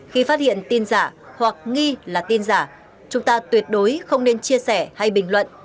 khi phát hiện tin giả hoặc nghi là tin giả chúng ta tuyệt đối không nên chia sẻ hay bình luận